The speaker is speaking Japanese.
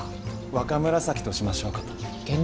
若紫としましょうかと。